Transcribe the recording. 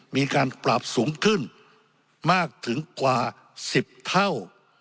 มีการปรับสูงขึ้นมากถึงกว่า๑๐เท่า